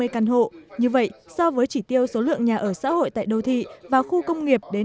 bảy mươi một một trăm năm mươi căn hộ như vậy so với chỉ tiêu số lượng nhà ở xã hội tại đô thị và khu công nghiệp đến